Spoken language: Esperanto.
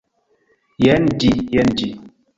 Jen ĝi! jen ĝi!